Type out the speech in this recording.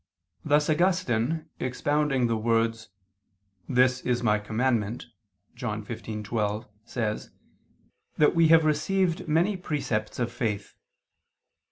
Thus Augustine expounding the words: "This is My commandment" (John 15:12) says (Tract. lxxxiii in Joan.) that we have received many precepts of faith.